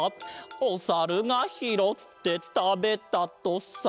「おさるがひろってたべたとさ」